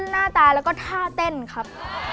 หน้าตาแล้วก็ท่าเต้นครับ